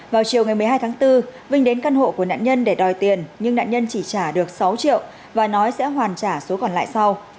vào chiều ngày một mươi hai tháng bốn vinh đến căn hộ của nạn nhân để đòi tiền nhưng nạn nhân chỉ trả được sáu triệu và nói sẽ hoàn trả số còn lại sau